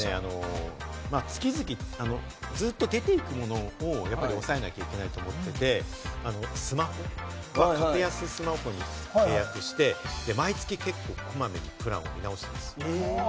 月々ずっと出ていくものを抑えなきゃいけないと思うので、スマホ、格安スマホを契約して毎月結構こまめにプランを見直しています。